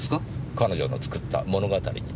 彼女の作った物語にです。